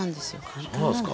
簡単なんですか？